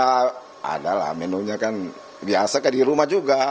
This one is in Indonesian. ya adalah menunya kan biasa kayak di rumah juga